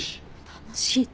楽しいって。